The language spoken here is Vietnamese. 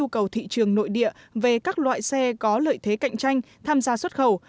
cầu thị trường nội địa về các loại xe có lợi thế cạnh tranh tham gia xuất khẩu